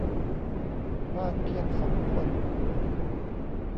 บ้านเพียง สอง คน